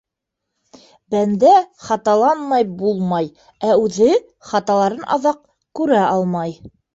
Бәндә хаталанмай булмай, ә үҙе хаталарын аҙаҡ күрә алмай.